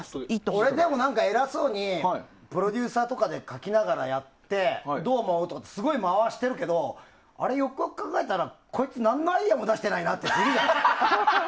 でも、俺は偉そうにプロデューサーとかに書きながら言ってどう思う？とかってすごい回してるけどあれよくよく考えたらこいつ、何のアイデアも出してないなって。